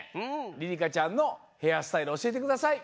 りりかちゃんのヘアスタイルおしえてください。